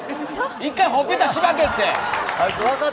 １回ほっぺたしばけって。